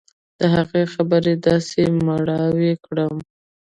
د هغه خبرې داسې مړاوى کړم.